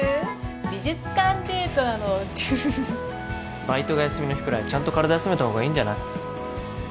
美術館デートなのデュフフフバイトが休みの日くらいちゃんと体休めたほうがいいんじゃない？